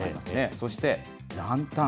そして、ランタン。